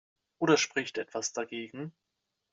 Oder spricht etwas dagegen?